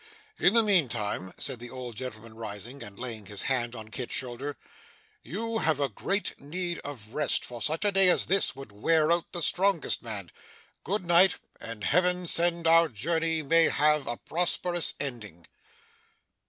'In the meantime,' said the old gentleman rising, and laying his hand on Kit's shoulder, 'you have a great need of rest; for such a day as this would wear out the strongest man. Good night, and Heaven send our journey may have a prosperous ending!